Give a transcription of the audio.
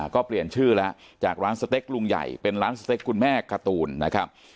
ก็เปลี่ยนชื่อแล้วจากร้านสเต็กลุงใหญ่เป็นร้านสเต็กคุณแม่การ์ตูนนะครับ